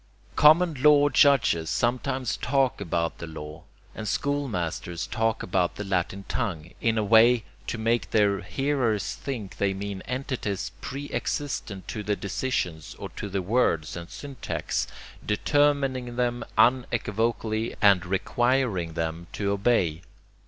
Common law judges sometimes talk about the law, and school masters talk about the latin tongue, in a way to make their hearers think they mean entities pre existent to the decisions or to the words and syntax, determining them unequivocally and requiring them to obey.